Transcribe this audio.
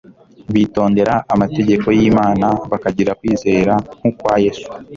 bitondera amategeko y'imana bakagira kwizera nku kwa yesu